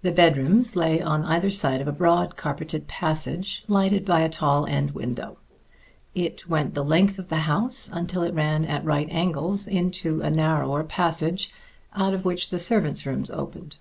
The bedrooms lay on either side of a broad carpeted passage, lighted by a tall end window. It went the length of the house until it ran at right angles into a narrower passage, out of which the servants' rooms opened.